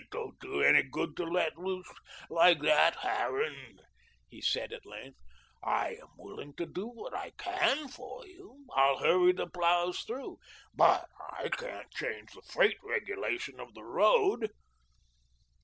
"It don't do any good to let loose like that, Harran," he said at length. "I am willing to do what I can for you. I'll hurry the ploughs through, but I can't change the freight regulation of the road."